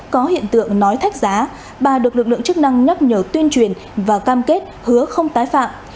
có hiện tượng nói thách giá bà được lực lượng chức năng nhắc nhở tuyên truyền và cam kết hứa không tái phạm